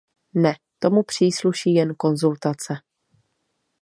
Ne, tomu přísluší jen konzultace.